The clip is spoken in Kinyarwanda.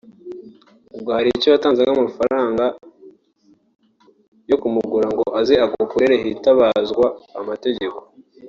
uba hari icyo watanze nk’amafaranga yo kumugura ngo aze agukorere hitabazwa amategeko